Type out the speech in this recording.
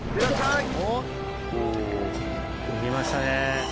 いきましたね。